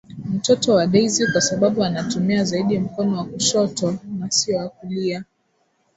Mtoto wa Daisy kwasababu anatumia zaidi mkono wa kushoto na sio wa kulia